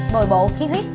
bồi bộ khí huyết